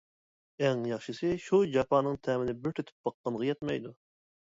ئەڭ ياخشىسى شۇ جاپانىڭ تەمىنى بىر تېتىپ باققانغا يەتمەيدۇ.